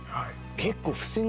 結構。